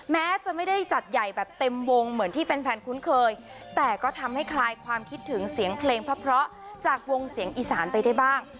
แม้จะไม่ได้จัดใหญ่แบบเต็มวงเหมือนที่แฟนคุ้นเคยแต่ก็ทำให้คลายความคิดถึงเสียงเพลงเพราะจากวงเสียงอีสานไปได้บ้าง